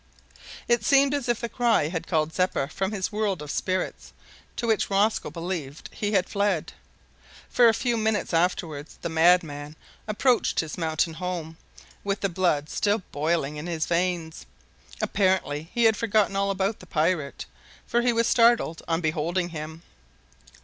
It seemed as if the cry had called Zeppa from the world of spirits to which Rosco believed he had fled for a few minutes afterwards the madman approached his mountain home, with the blood still boiling in his veins. Apparently he had forgotten all about the pirate, for he was startled on beholding him.